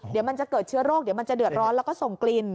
เดี๋ยวมันจะเกิดเชื้อโรคเดี๋ยวมันจะเดือดร้อนแล้วก็ส่งกลิ่น